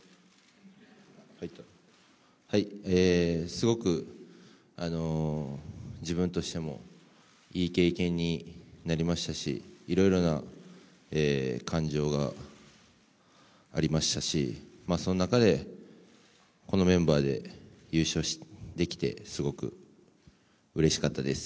すごく自分としてもいい経験になりましたし、いろいろな感情がありましたし、その中で、このメンバーで優勝できて、すごくうれしかったです。